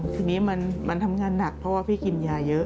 ทีนี้มันทำงานหนักเพราะว่าพี่กินยาเยอะ